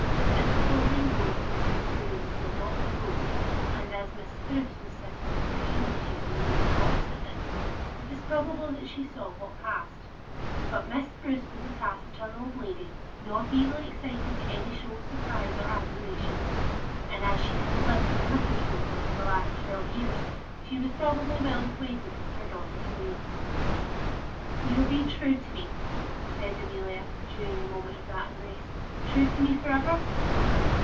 As the folding doors between the two rooms were not closed, and as Miss Spruce was sitting in her easy chair immediately opposite to them, it was probable that she saw what passed. But Miss Spruce was a taciturn old lady, not easily excited to any show of surprise or admiration; and as she had lived with Mrs. Roper for the last twelve years, she was probably well acquainted with her daughter's ways. "You'll be true to me?" said Amelia, during the moment of that embrace "true to me for ever?"